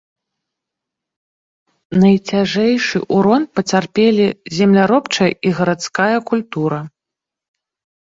Найцяжэйшы ўрон пацярпелі земляробчая і гарадская культура.